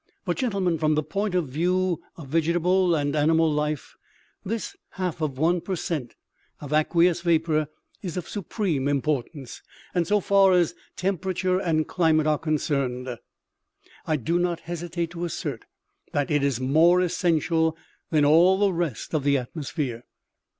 " But, gentlemen, from the point of view of vege table and animal life, this half of one per cent, of aqueous vapor is of supreme importance, and so far as temperature and climate are concerned, I do not hesitate to assert that it is more essential than all the rest of the atmosphere.